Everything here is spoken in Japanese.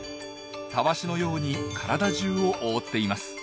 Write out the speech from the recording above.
タワシのように体じゅうを覆っています。